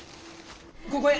ここへ。